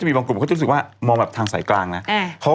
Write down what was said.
แต่มีบางกลุ่มมองว่าในทางสายกลางนะ